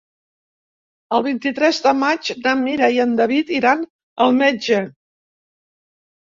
El vint-i-tres de maig na Mira i en David iran al metge.